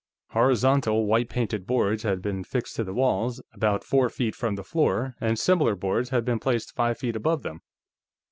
Horizontal white painted boards had been fixed to the walls about four feet from the floor, and similar boards had been placed five feet above them.